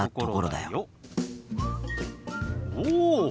おお！